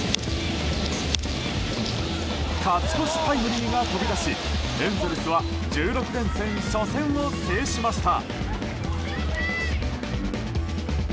勝ち越しタイムリーが飛び出しエンゼルスは１６連戦初戦を制しました。